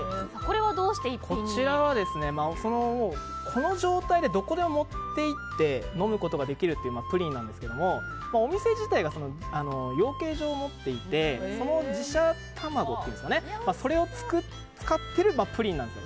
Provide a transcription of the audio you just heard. これはこの状態でどこでも持っていって飲むことができるプリンなんですけどお店自体が養鶏場を持っていてその自社卵というんですかねそれを使ってプリンなんです。